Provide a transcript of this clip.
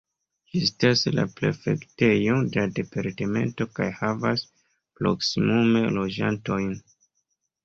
Ĝi estas la prefektejo de la departemento kaj havas proksimume loĝantojn.